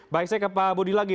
baik saya ke pak budi lagi